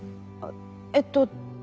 えっと。